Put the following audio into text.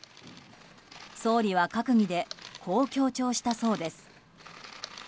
総理は閣議でこう強調したそうです。